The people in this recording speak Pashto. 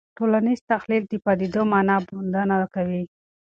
ټولنیز تحلیل د پدیدو د مانا موندنه کوي.